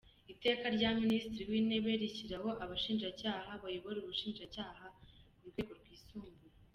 Iteka rya Minisitiri w’Intebe rishyiraho Abashinjacyaha bayobora Ubushinjacyaha ku Rwego Rwisumbuye :